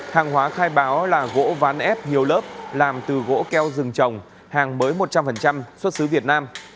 hàng hóa khai báo là gỗ ván ép nhiều lớp làm từ gỗ keo rừng trồng hàng mới một trăm linh xuất xứ việt nam